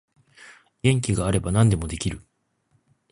元気があれば何でもできる